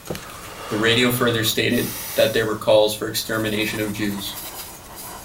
The radio further stated that there were calls for the extermination of Jews.